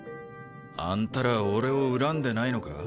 あんたらは俺を恨んでないのか？